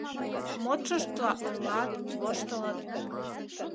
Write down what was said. Модшыштла ойлат, воштылыт.